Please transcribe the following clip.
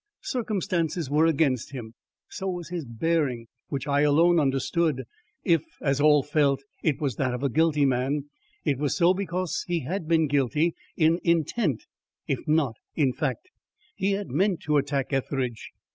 Circumstances were against him so was his bearing which I alone understood. If, as all felt, it was that of a guilty man, it was so because he had been guilty in intent if not in fact. He had meant to attack Etheridge.